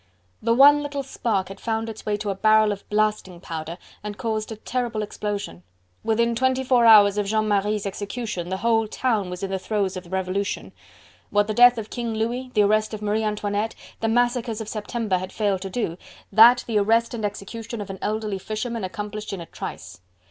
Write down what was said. The one little spark had found its way to a barrel of blasting powder and caused a terrible explosion. Within twenty four hours of Jean Marie's execution the whole town was in the throes of the Revolution. What the death of King Louis, the arrest of Marie Antoinette, the massacres of September had failed to do, that the arrest and execution of an elderly fisherman accomplished in a trice.